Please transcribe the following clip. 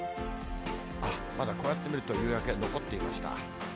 あっ、まだこうやって見ると、夕焼け残っていました。